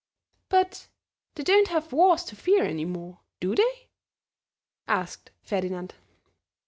"But they don't have wars to fear any more, do they?" asked Ferdinand.